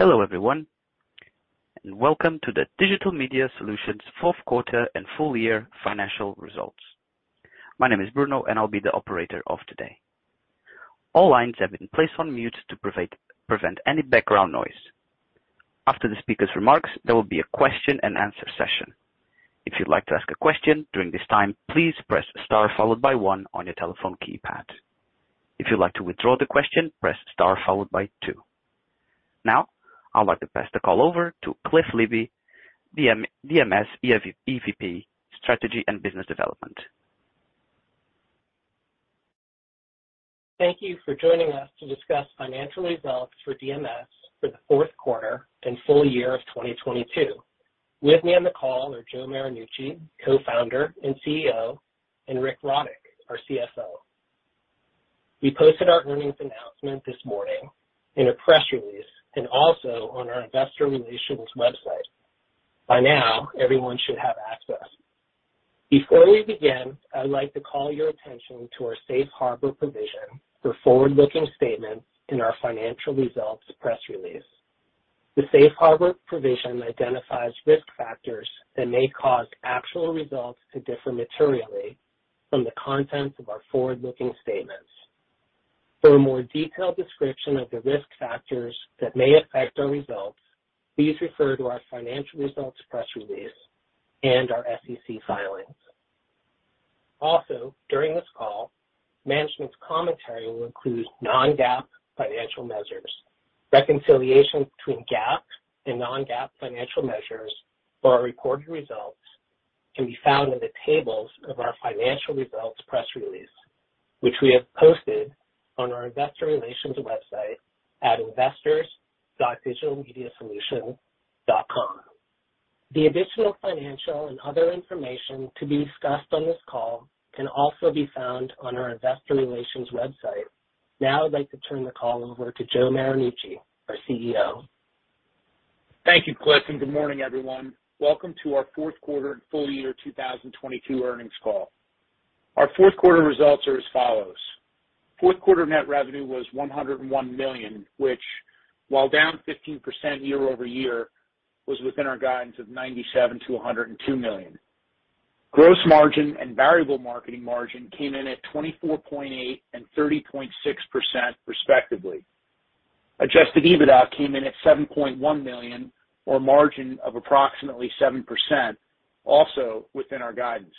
Hello, everyone, welcome to the Digital Media Solutions 4th quarter and full year financial results. My name is Bruno, and I'll be the operator of today. All lines have been placed on mute to prevent any background noise. After the speaker's remarks, there will be a question and answer session. If you'd like to ask a question during this time, please press star followed by one on your telephone keypad. If you'd like to withdraw the question, press star followed by two. Now, I'd like to pass the call over to Cliff Libby, DMS EVP, Strategy and Business Development. Thank you for joining us to discuss financial results for DMS for the 4th quarter and full year of 2022. With me on the call are Joe Marinucci, Co-founder and CEO, and Rick Rodick, our CFO. We posted our earnings announcement this morning in a press release and also on our investor relations website. By now, everyone should have access. Before we begin, I'd like to call your attention to our safe harbor provision for forward-looking statements in our financial results press release. The safe harbor provision identifies risk factors that may cause actual results to differ materially from the contents of our forward-looking statements. For a more detailed description of the risk factors that may affect our results, please refer to our financial results press release and our SEC filings. Also, during this call, management's commentary will include non-GAAP financial measures. Reconciliation between GAAP and non-GAAP financial measures for our reported results can be found in the tables of our financial results press release, which we have posted on our investor relations website at investors.digitalmediasolutions.com. The additional financial and other information to be discussed on this call can also be found on our investor relations website. I'd like to turn the call over to Joe Marinucci, our CEO. Thank you, Cliff. Good morning, everyone. Welcome to our fourth quarter and full year 2022 earnings call. Our fourth quarter results are as follows. Fourth quarter net revenue was $101 million, which, while down 15% year-over-year, was within our guidance of $97 million-$102 million. Gross margin and variable marketing margin came in at 24.8% and 30.6%, respectively. adjusted EBITDA came in at $7.1 million, or margin of approximately 7%, also within our guidance.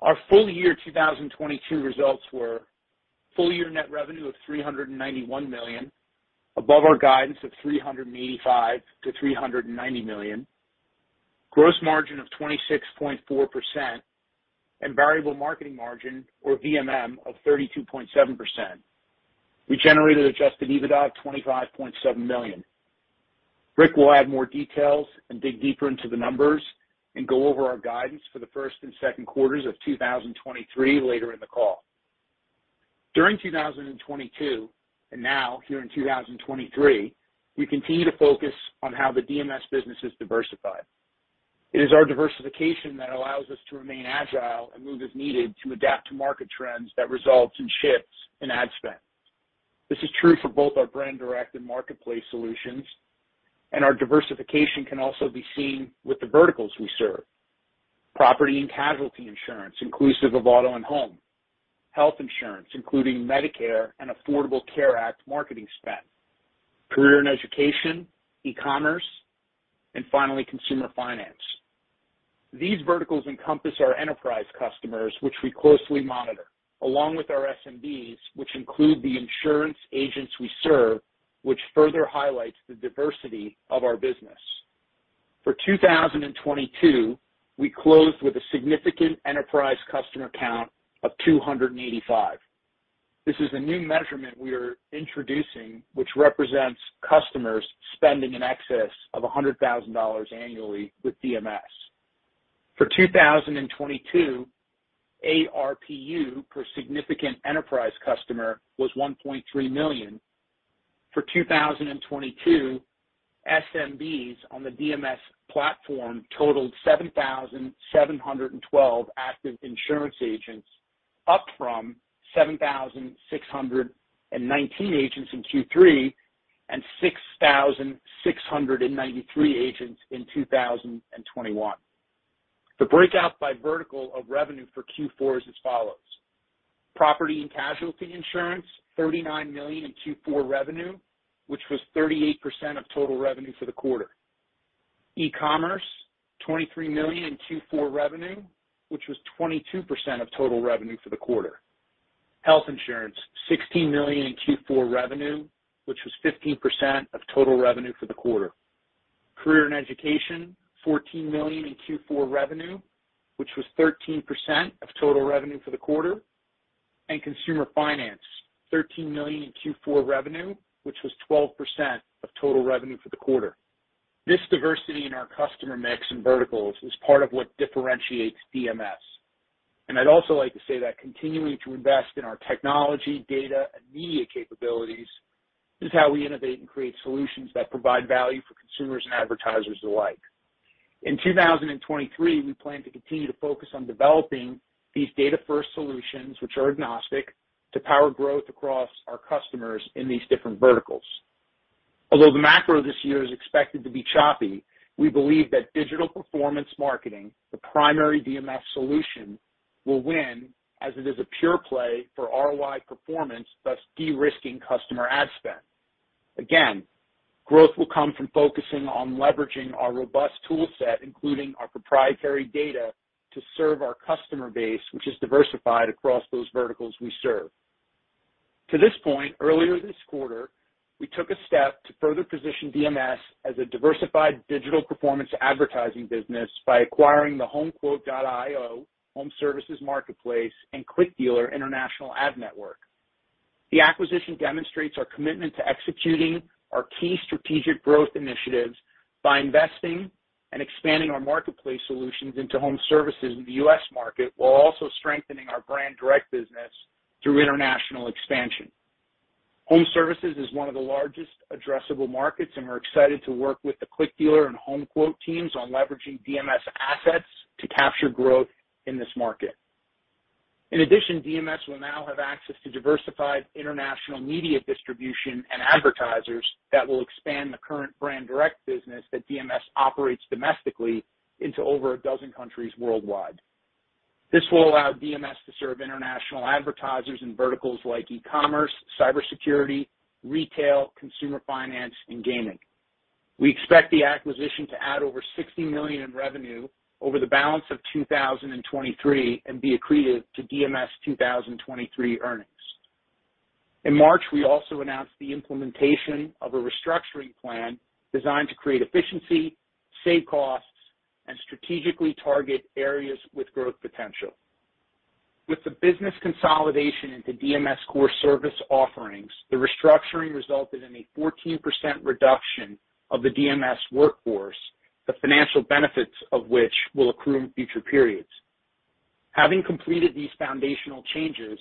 Our full year 2022 results were full year net revenue of $391 million, above our guidance of $385 million-$390 million. Gross margin of 26.4% and variable marketing margin, or VMM, of 32.7%. We generated adjusted EBITDA of $25.7 million. Rick will add more details and dig deeper into the numbers and go over our guidance for the first and second quarters of 2023 later in the call. During 2022, and now here in 2023, we continue to focus on how the DMS business is diversified. It is our diversification that allows us to remain agile and move as needed to adapt to market trends that result in shifts in ad spend. This is true for both our Brand Direct and Marketplace Solutions, and our diversification can also be seen with the verticals we serve. Property and casualty insurance, inclusive of auto and home, health insurance, including Medicare and Affordable Care Act marketing spend, career and education, e-commerce, and finally, consumer finance. These verticals encompass our enterprise customers, which we closely monitor, along with our SMBs, which include the insurance agents we serve, which further highlights the diversity of our business. For 2022, we closed with a significant enterprise customer count of 285. This is a new measurement we are introducing, which represents customers spending in excess of $100,000 annually with DMS. For 2022, ARPU per significant enterprise customer was $1.3 million. For 2022, SMBs on the DMS platform totaled 7,712 active insurance agents, up from 7,619 agents in Q3 and 6,693 agents in 2021. The breakout by vertical of revenue for Q4 is as follows: Property and casualty insurance, $39 million in Q4 revenue, which was 38% of total revenue for the quarter. E-commerce, $23 million in Q4 revenue, which was 22% of total revenue for the quarter. Health insurance, $16 million in Q4 revenue, which was 15% of total revenue for the quarter. Career and education, $14 million in Q4 revenue, which was 13% of total revenue for the quarter. Consumer finance, $13 million in Q4 revenue, which was 12% of total revenue for the quarter. This diversity in our customer mix and verticals is part of what differentiates DMS. I'd also like to say that continuing to invest in our technology, data and media capabilities is how we innovate and create solutions that provide value for consumers and advertisers alike. In 2023, we plan to continue to focus on developing these data-first solutions, which are agnostic to power growth across our customers in these different verticals. Although the macro this year is expected to be choppy, we believe that digital performance marketing, the primary DMS solution, will win as it is a pure play for ROI performance, thus de-risking customer ad spend. Again, growth will come from focusing on leveraging our robust tool set, including our proprietary data, to serve our customer base, which is diversified across those verticals we serve. To this point, earlier this quarter, we took a step to further position DMS as a diversified digital performance advertising business by acquiring the HomeQuote.io home services marketplace and ClickDealer international ad network. The acquisition demonstrates our commitment to executing our key strategic growth initiatives by investing and expanding our marketplace solutions into home services in the U.S. market, while also strengthening our brand direct business through international expansion. Home services is one of the largest addressable markets, and we're excited to work with the ClickDealer and HomeQuote teams on leveraging DMS assets to capture growth in this market. In addition, DMS will now have access to diversified international media distribution and advertisers that will expand the current brand direct business that DMS operates domestically into over a dozen countries worldwide. This will allow DMS to serve international advertisers in verticals like e-commerce, cybersecurity, retail, consumer finance, and gaming. We expect the acquisition to add over $60 million in revenue over the balance of 2023 and be accretive to DMS 2023 earnings. In March, we also announced the implementation of a restructuring plan designed to create efficiency, save costs, and strategically target areas with growth potential. With the business consolidation into DMS core service offerings, the restructuring resulted in a 14% reduction of the DMS workforce, the financial benefits of which will accrue in future periods. Having completed these foundational changes,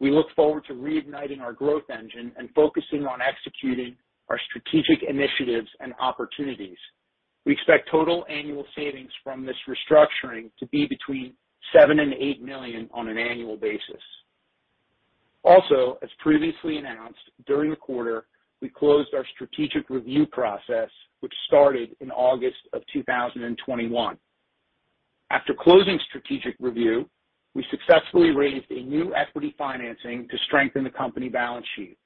we look forward to reigniting our growth engine and focusing on executing our strategic initiatives and opportunities. We expect total annual savings from this restructuring to be between $7 million and $8 million on an annual basis. As previously announced, during the quarter, we closed our strategic review process which started in August of 2021. After closing strategic review, we successfully raised a new equity financing to strengthen the company balance sheet.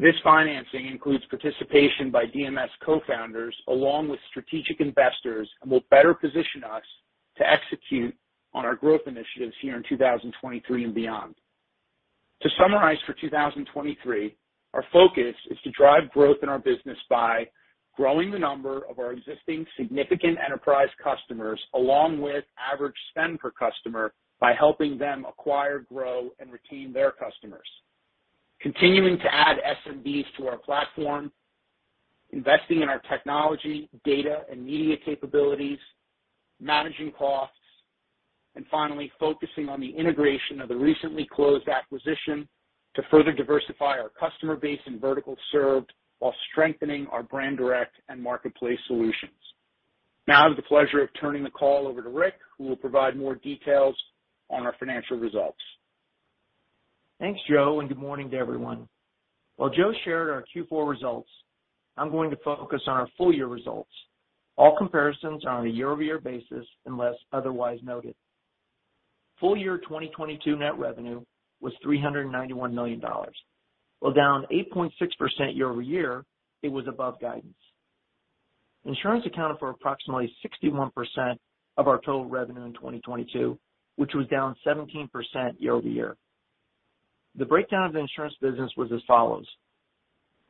This financing includes participation by DMS co-founders along with strategic investors and will better position us to execute on our growth initiatives here in 2023 and beyond. To summarize, for 2023, our focus is to drive growth in our business by growing the number of our existing significant enterprise customers along with average spend per customer by helping them acquire, grow, and retain their customers, continuing to add SMBs to our platform, investing in our technology, data, and media capabilities, managing costs, and finally, focusing on the integration of the recently closed acquisition to further diversify our customer base and vertical served while strengthening our Brand Direct Solutions and Marketplace Solutions. I have the pleasure of turning the call over to Rick, who will provide more details on our financial results. Thanks, Joe, and good morning to everyone. While Joe shared our Q4 results, I'm going to focus on our full year results. All comparisons are on a year-over-year basis unless otherwise noted. Full year 2022 net revenue was $391 million. While down 8.6% year-over-year, it was above guidance. Insurance accounted for approximately 61% of our total revenue in 2022, which was down 17% year-over-year. The breakdown of the insurance business was as follows: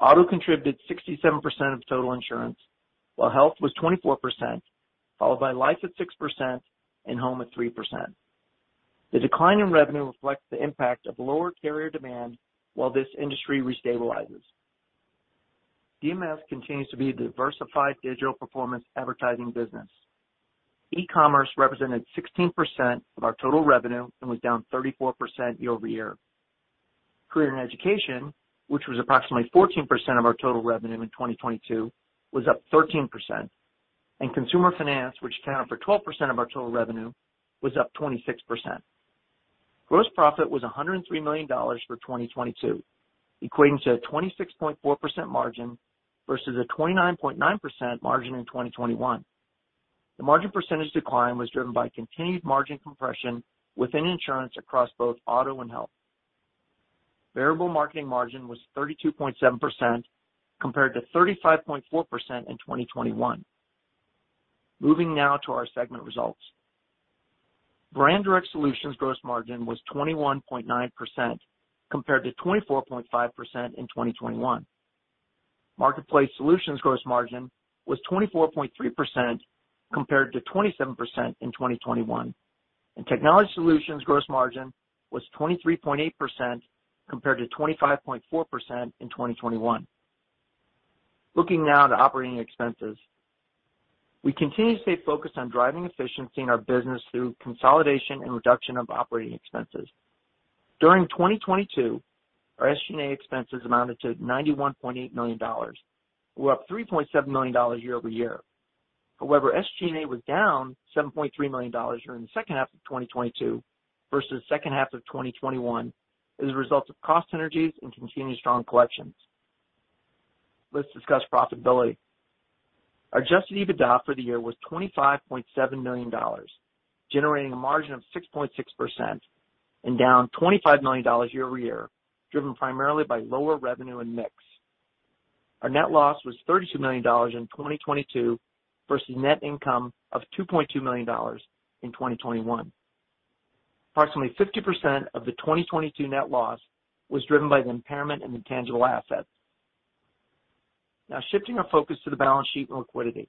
Auto contributed 67% of total insurance, while health was 24%, followed by life at 6% and home at 3%. The decline in revenue reflects the impact of lower carrier demand while this industry restabilizes. DMS continues to be a diversified digital performance advertising business. E-commerce represented 16% of our total revenue and was down 34% year-over-year. Career and education, which was approximately 14% of our total revenue in 2022, was up 13%. Consumer finance, which accounted for 12% of our total revenue, was up 26%. Gross profit was $103 million for 2022, equating to a 26.4% margin versus a 29.9% margin in 2021. The margin percentage decline was driven by continued margin compression within insurance across both auto and health. variable marketing margin was 32.7% compared to 35.4% in 2021. Moving now to our segment results. Brand Direct Solutions gross margin was 21.9% compared to 24.5% in 2021. Marketplace Solutions gross margin was 24.3% compared to 27% in 2021. Technology Solutions gross margin was 23.8% compared to 25.4% in 2021. Looking now to operating expenses. We continue to stay focused on driving efficiency in our business through consolidation and reduction of operating expenses. During 2022, our SG&A expenses amounted to $91.8 million. We're up $3.7 million year-over-year. However, SG&A was down $7.3 million during the second half of 2022 versus 2nd half of 2021 as a result of cost synergies and continued strong collections. Let's discuss profitability. Our adjusted EBITDA for the year was $25.7 million, generating a margin of 6.6% and down $25 million year-over-year, driven primarily by lower revenue and mix. Our net loss was $32 million in 2022 versus net income of $2.2 million in 2021. Approximately 50% of the 2022 net loss was driven by the impairment in intangible assets. Shifting our focus to the balance sheet and liquidity.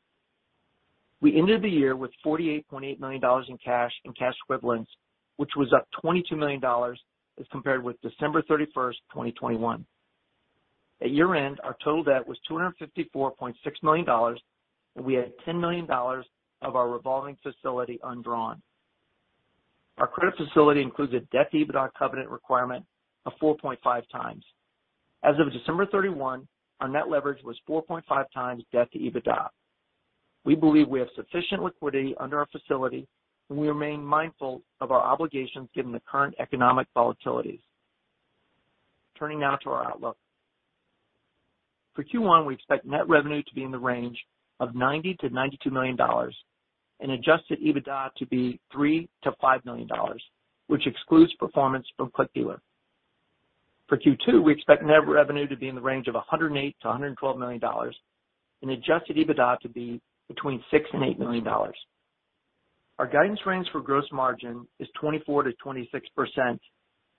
We ended the year with $48.8 million in cash and cash equivalents, which was up $22 million as compared with December 31, 2021. At year-end, our total debt was $254.6 million, and we had $10 million of our revolving facility undrawn. Our credit facility includes a debt-to-EBITDA covenant requirement of 4.5x. As of December 31, our net leverage was 4.5x debt to EBITDA. We believe we have sufficient liquidity under our facility. We remain mindful of our obligations given the current economic volatilities. Turning now to our outlook. For Q1, we expect net revenue to be in the range of $90 million-$92 million and adjusted EBITDA to be $3 million-$5 million, which excludes performance from ClickDealer. For Q2, we expect net revenue to be in the range of $108 million-$112 million and adjusted EBITDA to be between $6 million and $8 million. Our guidance range for gross margin is 24%-26%,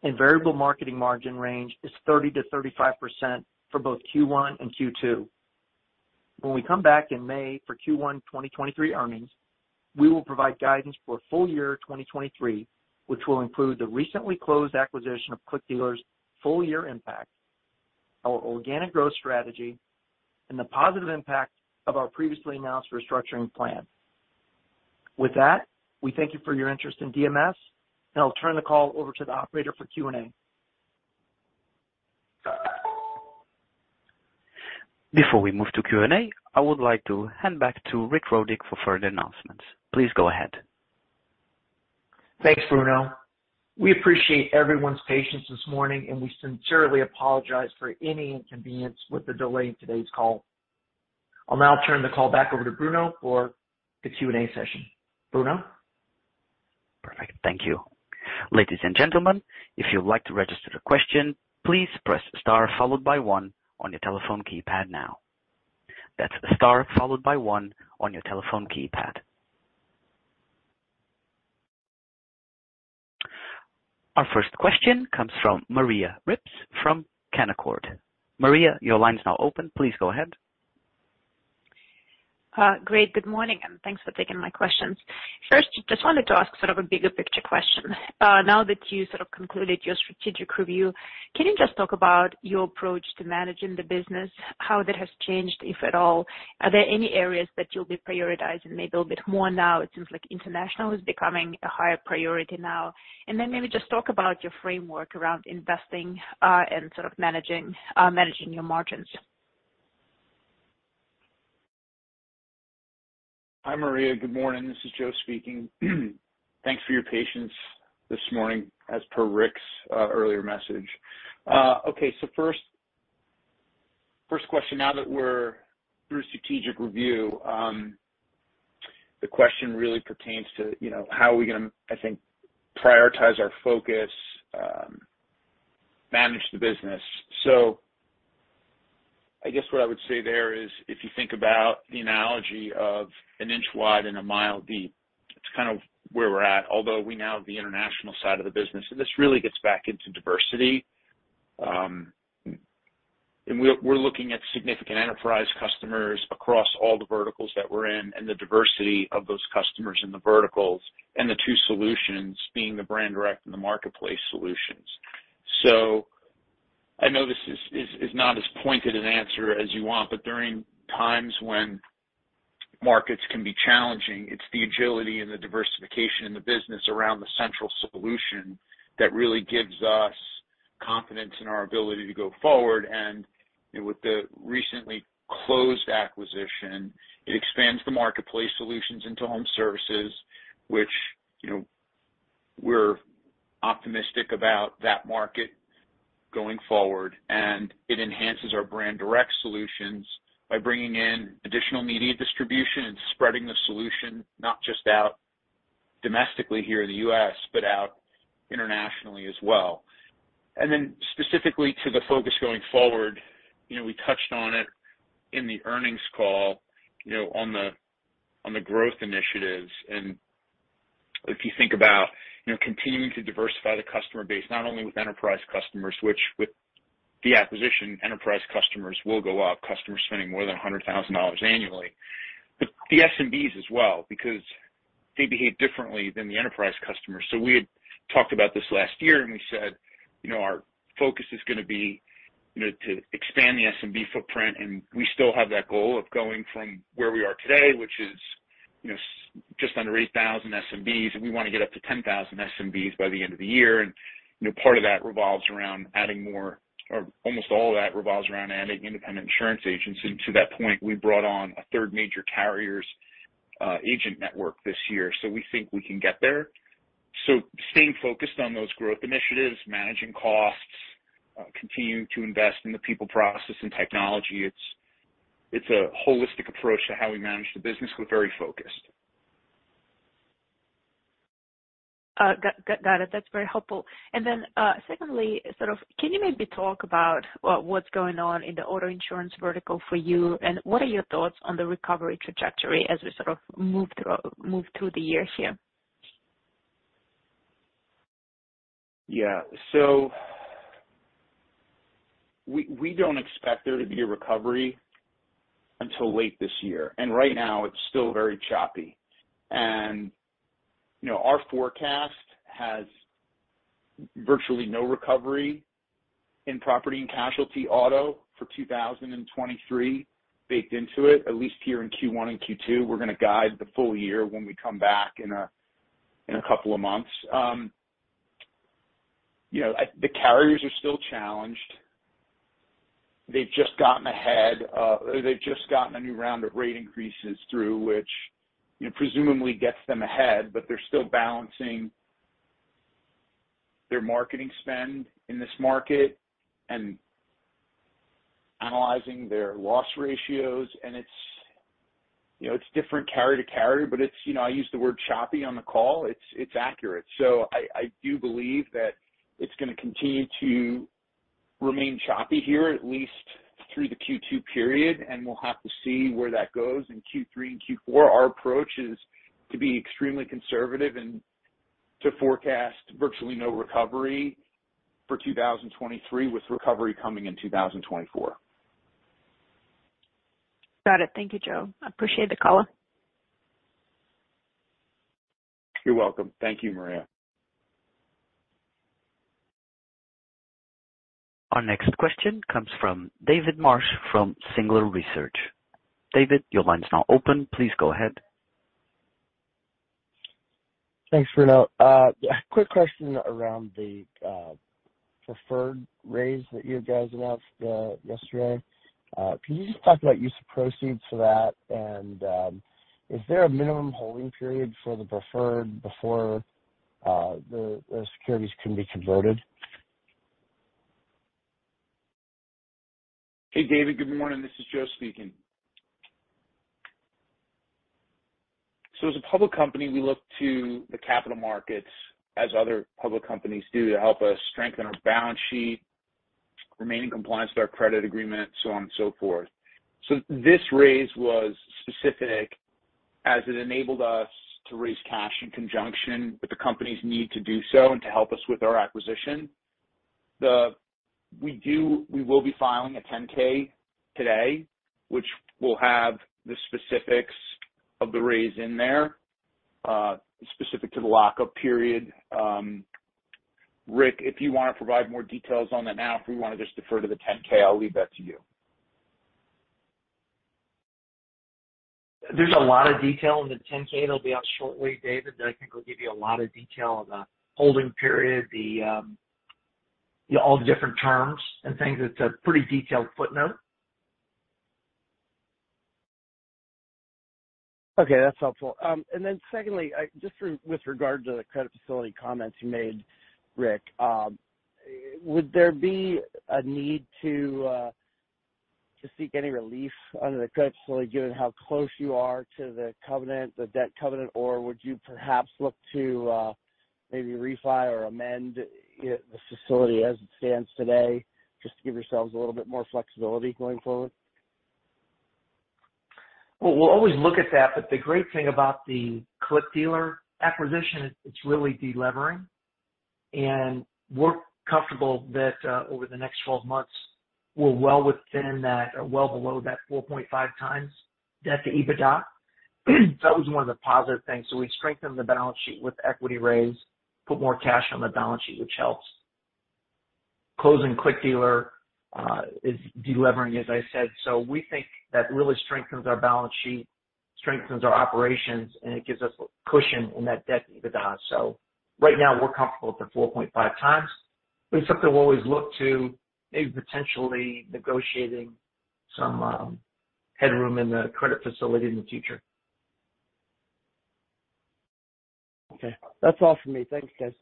and variable marketing margin range is 30%-35% for both Q1 and Q2. When we come back in May for Q1 2023 earnings, we will provide guidance for full year 2023, which will include the recently closed acquisition of ClickDealer's full year impact, our organic growth strategy, and the positive impact of our previously announced restructuring plan. With that, we thank you for your interest in DMS, and I'll turn the call over to the operator for Q&A. Before we move to Q&A, I would like to hand back to Rick Rodick for further announcements. Please go ahead. Thanks, Bruno. We appreciate everyone's patience this morning, and we sincerely apologize for any inconvenience with the delay in today's call. I'll now turn the call back over to Bruno for the Q&A session. Bruno? Perfect. Thank you. Ladies and gentlemen, if you'd like to register a question, please press star followed by one on your telephone keypad now. That's star followed by one on your telephone keypad. Our first question comes from Maria Ripps from Canaccord. Maria, your line is now open. Please go ahead. Great. Good morning. Thanks for taking my questions. First, just wanted to ask sort of a bigger picture question. Now that you sort of concluded your strategic review, can you just talk about your approach to managing the business, how that has changed, if at all? Are there any areas that you'll be prioritizing maybe a bit more now? It seems like international is becoming a higher priority now. Maybe just talk about your framework around investing, and sort of managing your margins. Hi, Maria. Good morning. This is Joe speaking. Thanks for your patience this morning as per Rick's earlier message. Okay, first question, now that we're through strategic review, the question really pertains to, you know, how are we gonna, I think, prioritize our focus, manage the business. I guess what I would say there is if you think about the analogy of an inch wide and a mile deep, it's kind of where we're at, although we now have the international side of the business. This really gets back into diversity. And we're looking at significant enterprise customers across all the verticals that we're in and the diversity of those customers in the verticals and the two solutions being the Brand Direct Solutions and the Marketplace Solutions. I know this is not as pointed an answer as you want, but during times when markets can be challenging, it's the agility and the diversification in the business around the central solution that really gives us confidence in our ability to go forward. You know, with the recently closed acquisition, it expands the Marketplace Solutions into home services, which, you know, we're optimistic about that market going forward. It enhances our Brand Direct Solutions by bringing in additional media distribution and spreading the solution, not just out domestically here in the U.S., but out internationally as well. Specifically to the focus going forward, you know, we touched on it in the earnings call, you know, on the, on the growth initiatives. If you think about, you know, continuing to diversify the customer base, not only with enterprise customers, which with the acquisition enterprise customers will go up, customers spending more than $100,000 annually. The SMBs as well because they behave differently than the enterprise customers. We had talked about this last year and we said, you know, our focus is gonna be, you know, to expand the SMB footprint and we still have that goal of going from where we are today, which is. You know, just under 8,000 SMBs, and we wanna get up to 10,000 SMBs by the end of the year. You know, part of that revolves around adding more. Almost all of that revolves around adding independent insurance agents. To that point, we brought on a third major carrier's agent network this year. We think we can get there. Staying focused on those growth initiatives, managing costs, continuing to invest in the people process and technology, it's a holistic approach to how we manage the business. We're very focused. Got it. That's very helpful. Secondly, sort of can you maybe talk about what's going on in the auto insurance vertical for you? What are your thoughts on the recovery trajectory as we sort of move through the year here? We, we don't expect there to be a recovery until late this year, and right now it's still very choppy. You know, our forecast has virtually no recovery in property and casualty auto for 2023 baked into it, at least here in Q1 and Q2. We're gonna guide the full year when we come back in a, in a couple of months. You know, the carriers are still challenged. They've just gotten ahead, they've just gotten a new round of rate increases through which, you know, presumably gets them ahead, but they're still balancing their marketing spend in this market and analyzing their loss ratios. It's, you know, it's different carrier to carrier, but it's, you know, I used the word choppy on the call. It's, it's accurate. I do believe that it's going to continue to remain choppy here, at least through the Q2 period, and we'll have to see where that goes in Q3 and Q4. Our approach is to be extremely conservative and to forecast virtually no recovery for 2023, with recovery coming in 2024. Got it. Thank you, Joe. I appreciate the color. You're welcome. Thank you, Maria. Our next question comes from David Marsh from Singular Research. David, your line's now open. Please go ahead. Thanks, Bruno. Quick question around the preferred raise that you guys announced yesterday. Can you just talk about use of proceeds for that? Is there a minimum holding period for the preferred before the securities can be converted? Hey, David. Good morning. This is Joe speaking. As a public company, we look to the capital markets as other public companies do to help us strengthen our balance sheet, remain in compliance with our credit agreement, so on and so forth. This raise was specific as it enabled us to raise cash in conjunction with the company's need to do so and to help us with our acquisition. We will be filing a 10-K today, which will have the specifics of the raise in there, specific to the lockup period. Rick, if you wanna provide more details on that now, if you wanna just defer to the 10-K, I'll leave that to you. There's a lot of detail in the 10-K that'll be out shortly, David, that I think will give you a lot of detail on the holding period, the, you know, all the different terms and things. It's a pretty detailed footnote. Okay, that's helpful. Secondly, just with regard to the credit facility comments you made, Rick, would there be a need to seek any relief under the credit facility given how close you are to the covenant, the debt covenant? Or would you perhaps look to maybe refi or amend this facility as it stands today just to give yourselves a little bit more flexibility going forward? Well, we'll always look at that, but the great thing about the ClickDealer acquisition is it's really de-levering. We're comfortable that, over the next 12 months we're well within that or well below that 4.5x debt-to-EBITDA. That was one of the positive things. We strengthened the balance sheet with equity raise, put more cash on the balance sheet, which helps. Closing ClickDealer, is de-levering, as I said. We think that really strengthens our balance sheet, strengthens our operations, and it gives us cushion in that debt-to-EBITDA. Right now we're comfortable at the 4.5x. It's something we'll always look to maybe potentially negotiating some headroom in the credit facility in the future. Okay. That's all for me. Thank you, guys.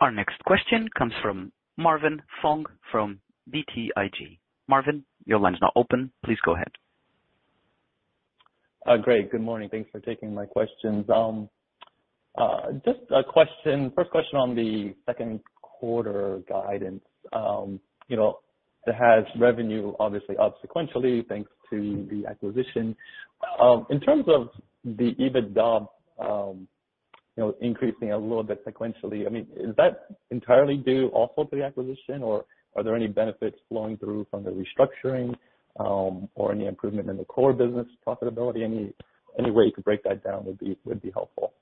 Our next question comes from Marvin Fong from BTIG. Marvin, your line's now open. Please go ahead. Great. Good morning. Thanks for taking my questions. Just a question, first question on the second quarter guidance. You know, that has revenue obviously up sequentially, thanks to the acquisition. In terms of the EBITDA, you know, increasing a little bit sequentially, I mean, is that entirely due also to the acquisition, or are there any benefits flowing through from the restructuring, or any improvement in the core business profitability? Any way you could break that down would be helpful.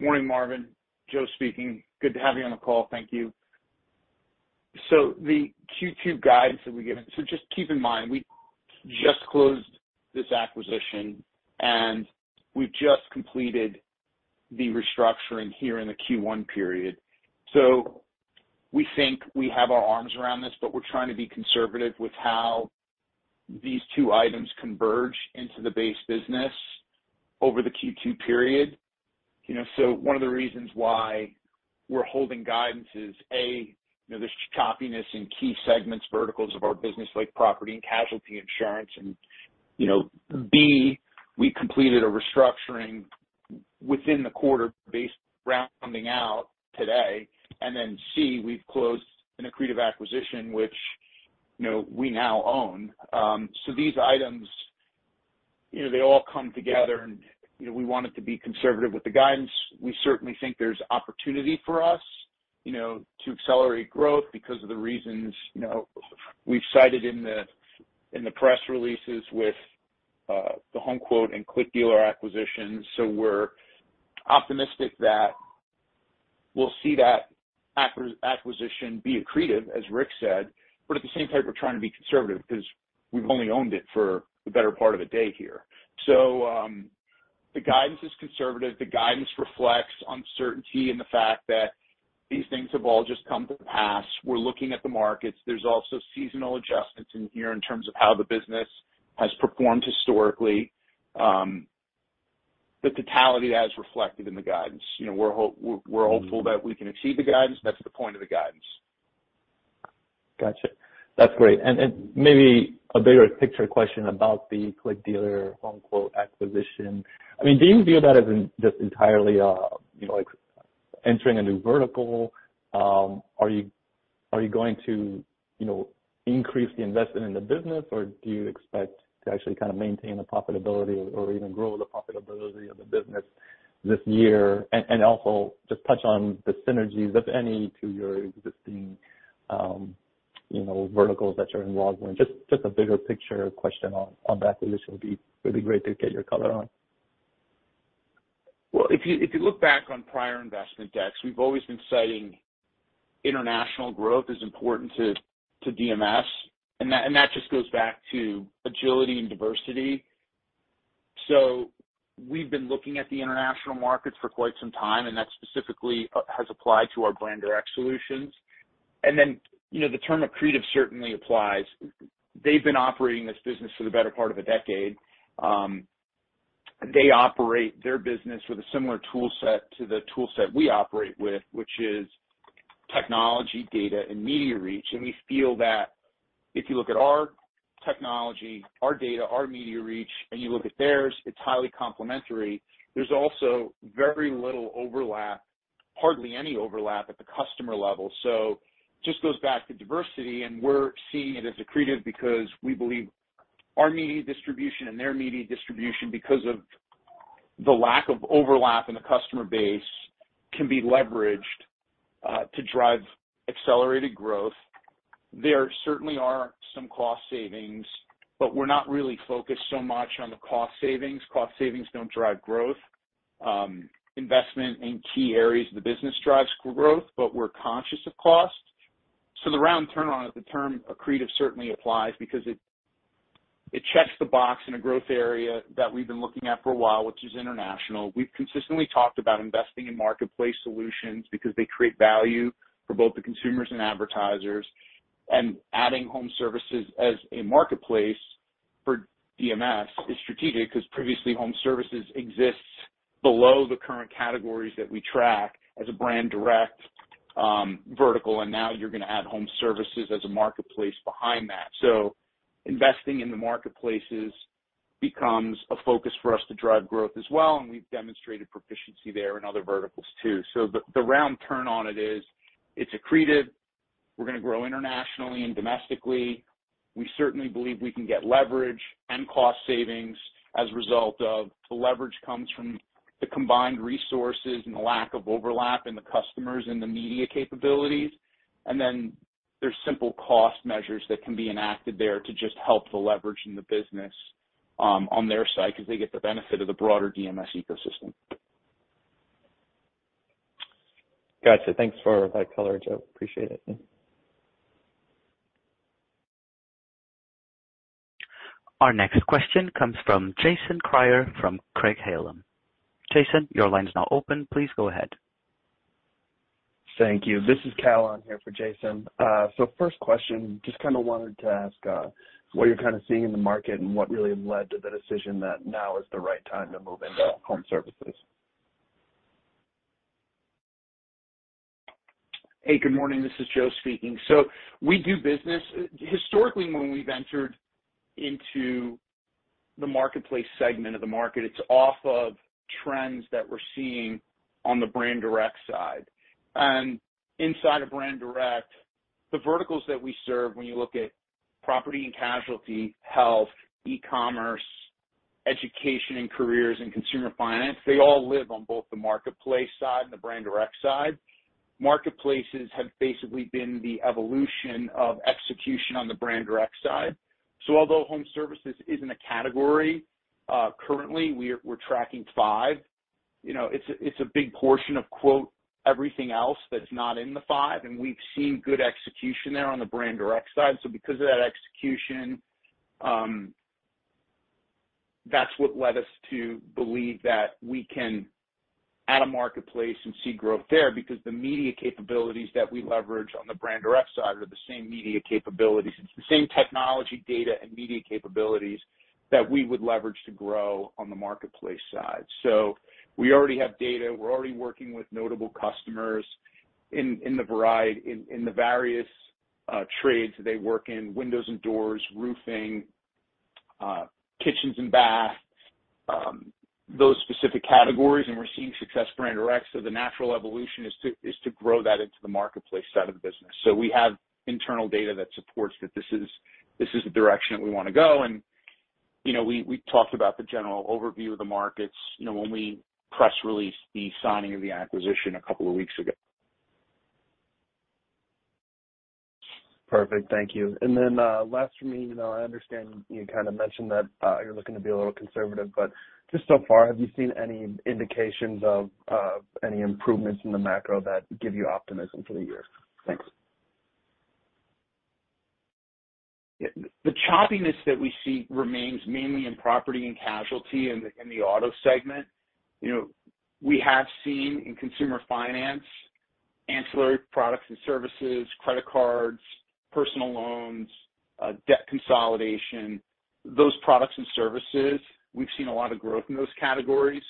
Morning, Marvin. Joe speaking. Good to have you on the call. Thank you. The Q2 guidance that we give, just keep in mind, we just closed this acquisition, and we've just completed the restructuring here in the Q1 period. We think we have our arms around this, but we're trying to be conservative with how these two items converge into the base business over the Q2 period. You know, one of the reasons why we're holding guidance is, A, you know, there's choppiness in key segments, verticals of our business like property and casualty insurance. You know, B, we completed a restructuring within the quarter based rounding out today. C, we've closed an accretive acquisition which, you know, we now own. These items, you know, they all come together and, you know, we wanted to be conservative with the guidance. We certainly think there's opportunity for us, you know, to accelerate growth because of the reasons, you know, we've cited in the, in the press releases with the HomeQuote and ClickDealer acquisitions. We're optimistic that we'll see that acquisition be accretive, as Rick said. At the same time, we're trying to be conservative because we've only owned it for the better part of a day here. The guidance is conservative. The guidance reflects uncertainty in the fact that these things have all just come to pass. We're looking at the markets. There's also seasonal adjustments in here in terms of how the business has performed historically. The totality as reflected in the guidance. You know, we're hopeful that we can achieve the guidance. That's the point of the guidance. Gotcha. That's great. Maybe a bigger picture question about the ClickDealer HomeQuote acquisition. I mean, do you view that as an just entirely, you know, like entering a new vertical? Are you going to, you know, increase the investment in the business, or do you expect to actually kind of maintain the profitability or even grow the profitability of the business this year? Also just touch on the synergies, if any, to your existing, you know, verticals that you're involved in. A bigger picture question on that position would be really great to get your color on. If you look back on prior investment decks, we've always been citing international growth as important to DMS, and that just goes back to agility and diversity. We've been looking at the international markets for quite some time, and that specifically has applied to our Brand Direct Solutions. You know, the term accretive certainly applies. They've been operating this business for the better part of a decade. They operate their business with a similar tool set to the tool set we operate with, which is technology, data and media reach. We feel that if you look at our technology, our data, our media reach, and you look at theirs, it's highly complementary. There's also very little overlap, hardly any overlap at the customer level. Just goes back to diversity, and we're seeing it as accretive because we believe our media distribution and their media distribution, because of the lack of overlap in the customer base, can be leveraged to drive accelerated growth. There certainly are some cost savings, but we're not really focused so much on the cost savings. Cost savings don't drive growth. Investment in key areas of the business drives growth, but we're conscious of cost. The round turn on the term accretive certainly applies because it checks the box in a growth area that we've been looking at for a while, which is international. We've consistently talked about investing in Marketplace Solutions because they create value for both the consumers and advertisers. Adding home services as a marketplace for DMS is strategic because previously home services exists below the current categories that we track as a brand direct vertical. Now you're gonna add home services as a marketplace behind that. Investing in the marketplaces becomes a focus for us to drive growth as well, and we've demonstrated proficiency there in other verticals too. The round turn on it is it's accretive. We're gonna grow internationally and domestically. We certainly believe we can get leverage and cost savings as a result of the leverage comes from the combined resources and the lack of overlap in the customers and the media capabilities. Then there's simple cost measures that can be enacted there to just help the leverage in the business on their side, because they get the benefit of the broader DMS ecosystem. Gotcha. Thanks for that color, Joe. Appreciate it. Our next question comes from Jason Kreyer from Craig-Hallum. Jason, your line is now open. Please go ahead. Thank you. This is Cal on here for Jason. First question, just kind of wanted to ask, what you're kind of seeing in the market and what really led to the decision that now is the right time to move into home services? Hey, good morning. This is Joe speaking. Historically, when we've entered into the marketplace segment of the market, it's off of trends that we're seeing on the Brand Direct side. Inside of Brand Direct, the verticals that we serve, when you look at property and casualty, health, e-commerce, education and careers and consumer finance, they all live on both the Marketplace side and the Brand Direct side. Marketplaces have basically been the evolution of execution on the Brand Direct side. Although home services isn't a category, currently we're tracking five. You know, it's a big portion of quote, everything else that's not in the five, and we've seen good execution there on the Brand Direct side. Because of that execution, that's what led us to believe that we can add a marketplace and see growth there because the media capabilities that we leverage on the brand direct side are the same media capabilities. It's the same technology data and media capabilities that we would leverage to grow on the marketplace side. We already have data. We're already working with notable customers in the various trades they work in, windows and doors, roofing, kitchens and bath, those specific categories, and we're seeing success brand direct, the natural evolution is to grow that into the marketplace side of the business. We have internal data that supports that this is the direction that we wanna go. you know, we talked about the general overview of the markets, you know, when we press released the signing of the acquisition a couple of weeks ago. Perfect. Thank you. Then, last for me, you know, I understand you kind of mentioned that you're looking to be a little conservative, but just so far, have you seen any indications of any improvements in the macro that give you optimism for the year? Thanks. Yeah. The choppiness that we see remains mainly in property and casualty in the auto segment. You know, we have seen in consumer finance, ancillary products and services, credit cards, personal loans, debt consolidation, those products and services, we've seen a lot of growth in those categories.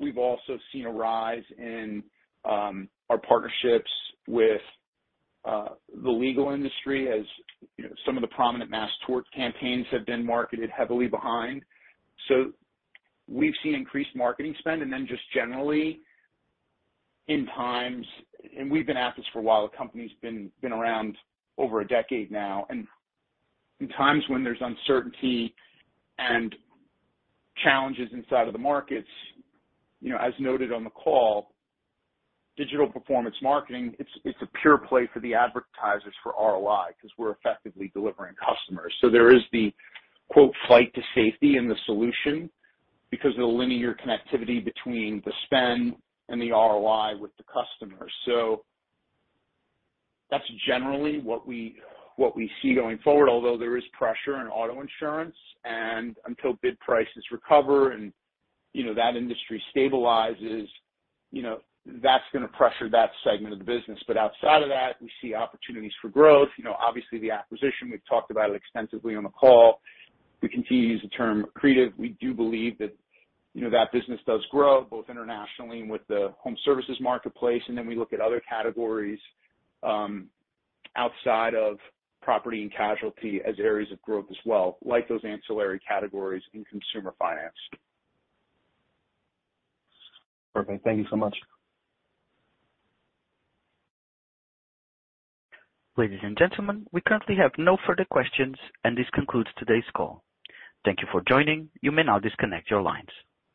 We've also seen a rise in our partnerships with the legal industry as, you know, some of the prominent mass tort campaigns have been marketed heavily behind. We've seen increased marketing spend. We've been at this for a while. The company's been around over a decade now. In times when there's uncertainty and challenges inside of the markets, you know, as noted on the call, digital performance marketing, it's a pure play for the advertisers for ROI because we're effectively delivering customers. There is the quote, flight to safety in the solution because of the linear connectivity between the spend and the ROI with the customer. That's generally what we see going forward, although there is pressure in auto insurance. Until bid prices recover and, you know, that industry stabilizes, you know, that's gonna pressure that segment of the business. Outside of that, we see opportunities for growth. You know, obviously the acquisition, we've talked about it extensively on the call. We continue to use the term accretive. We do believe that, you know, that business does grow both internationally and with the home services marketplace. We look at other categories, outside of property and casualty as areas of growth as well, like those ancillary categories in consumer finance. Perfect. Thank you so much. Ladies and gentlemen, we currently have no further questions, and this concludes today's call. Thank you for joining. You may now disconnect your lines.